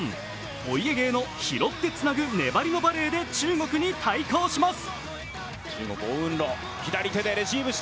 お家芸の拾ってつなぐ粘りのバレーで中国に対抗します。